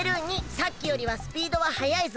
さっきよりはスピードははやいぞ。